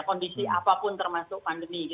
kondisi apapun termasuk pandemi